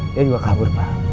dia juga kabur pak